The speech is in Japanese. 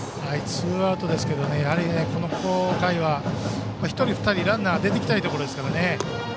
ツーアウトですけれどもこの回は１人、２人ランナーが出てきたいところですからね。